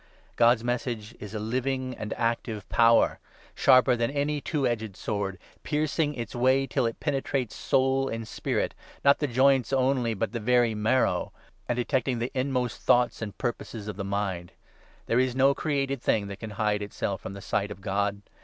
God's 12 Message is a living and active power, sharper than any two edged sword, piercing its way till it penetrates soul and spirit — not the joints only but the very marrow — and detecting the inmost thoughts and purposes of the mind. There is no 13 created thing that can hide itself from the sight of God.